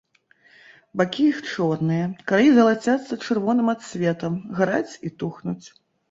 Бакі іх чорныя, краі залацяцца чырвоным адсветам, гараць і тухнуць.